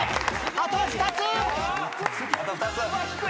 あと２つ。